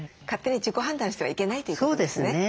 勝手に自己判断してはいけないということですね。